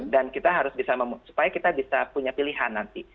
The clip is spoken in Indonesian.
kita harus bisa supaya kita bisa punya pilihan nanti